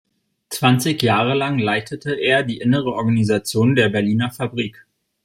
Zwanzig Jahre lang leitete er die innere Organisation der Berliner Fabrik.